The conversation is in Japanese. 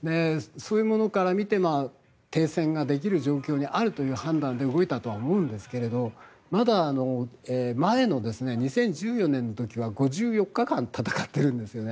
そういうものから見て停戦できるという判断で動いたとは思うんですけれど前の２０１４年の時は５４日間戦ってるんですよね。